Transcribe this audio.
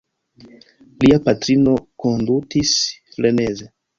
Lia patrino kondutis freneze.